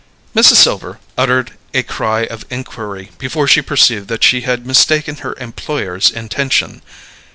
Mrs. Silver uttered a cry of injury before she perceived that she had mistaken her employer's intention.